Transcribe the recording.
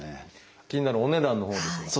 気になるお値段のほうですが。